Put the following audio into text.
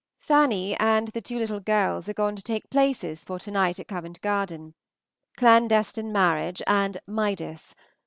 Fanny and the two little girls are gone to take places for to night at Covent Garden; "Clandestine Marriage" and "Midas."